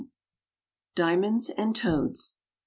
DIAMONDS AND TOADS.